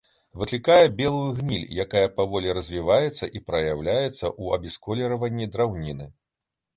Выклікае белую гніль, якая паволі развіваецца і праяўляецца ў абясколерванні драўніны.